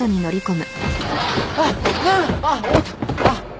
あっ！